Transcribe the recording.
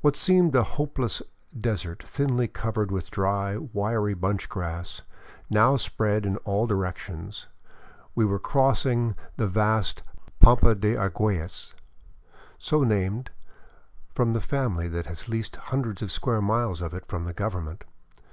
What seemed a hopeless desert thinly covered with dry, wiry bunch grass, now spread in all directions. We were crossing the vast 481 VAGABONDING DOWN THE ANDES '* Pampa de Arguelles," so named from the family that has leased hundreds of square miles of it from the government.